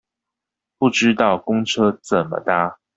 不知道公車怎麼搭